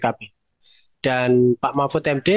dan pak mahfud saya pikir itu adalah kekuatan yang lebih besar